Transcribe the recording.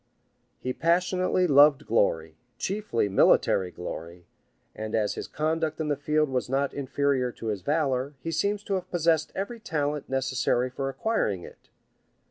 He passionately loved glory, chiefly military glory; and as his conduct in the field was not inferior to his valor, he seems to have possessed every talent necessary for acquiring it.